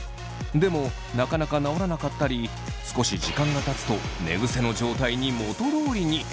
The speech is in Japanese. でもなかなか直らなかったり少し時間がたつと寝ぐせの状態に元通りに。